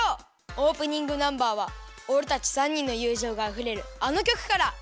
オープニングナンバーはおれたち３にんのゆうじょうがあふれるあのきょくから！